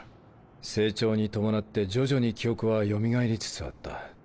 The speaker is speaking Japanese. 成長に伴って徐々に記憶はよみがえりつつあった。